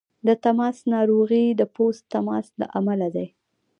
د تماس ناروغۍ د پوست تماس له امله دي.